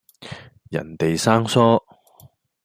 人地生疏